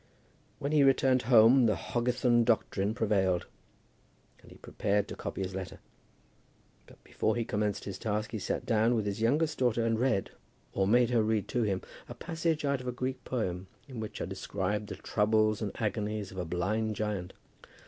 When he returned home the Hoggethan doctrine prevailed, and he prepared to copy his letter. But before he commenced his task, he sat down with his youngest daughter, and read, or made her read to him, a passage out of a Greek poem, in which are described the troubles and agonies of a blind giant.